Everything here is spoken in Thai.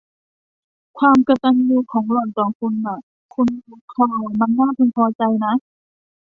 ความกตัญญูของหล่อนต่อคุณน่ะ คุณวู้ดคอร์ต มันน่าพึงพอใจนะ